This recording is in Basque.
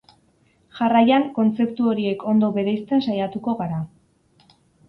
Jarraian kontzeptu horiek ondo bereizten saiatuko gara.